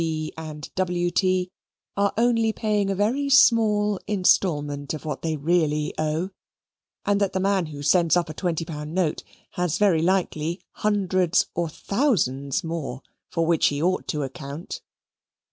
B. and W. T. are only paying a very small instalment of what they really owe, and that the man who sends up a twenty pound note has very likely hundreds or thousands more for which he ought to account.